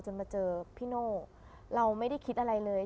มาเจอพี่โน่เราไม่ได้คิดอะไรเลย